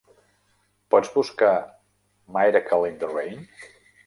Pots buscar "Miracle in the Rain"?